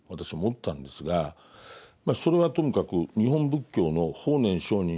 それはともかく日本仏教の法然上人